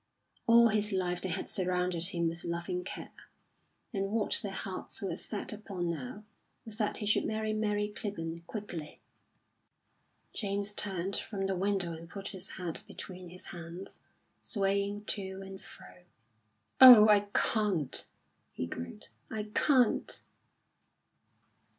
All his life they had surrounded him with loving care. And what their hearts were set upon now was that he should marry Mary Clibborn quickly. James turned from the window and put his head between his hands, swaying to and fro. "Oh, I can't," he groaned; "I can't!"